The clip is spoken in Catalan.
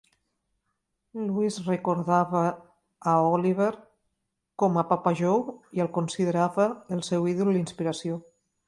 Louis recordava a Oliver com a "Papa Joe" i el considerava el seu ídol i inspiració.